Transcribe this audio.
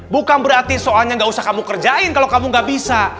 bukan berarti soalnya gak usah kamu kerjain kalau kamu gak bisa